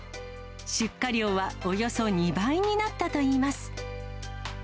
出荷量はおよそ２倍になったといいます。